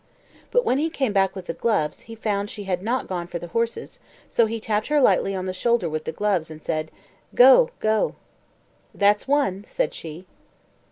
But when he came back with the gloves, he found she had not gone for the horses; so he tapped her lightly on the shoulder with the gloves, and said, "Go, go." "That's one," said she.